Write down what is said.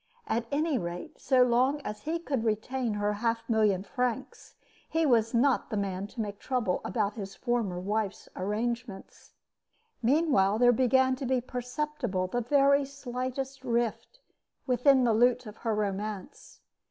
At any rate, so long as he could retain her half million francs, he was not the man to make trouble about his former wife's arrangements. Meanwhile, there began to be perceptible the very slightest rift within the lute of her romance.